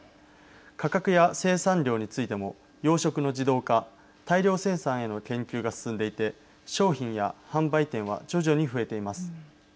価格や生産量についても養殖の自動化大量生産への研究が進んでいて商品や販売店は徐々に増えています。